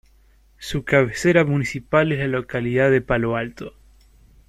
Su cabecera municipal es la localidad de Palo Alto.